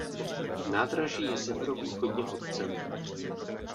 Nádraží je severovýchodně od centra.